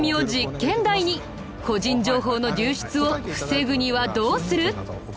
個人情報の流出を防ぐにはどうする？